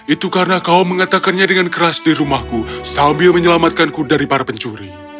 itu karena kau mengatakannya dengan keras di rumahku sambil menyelamatkanku dari para pencuri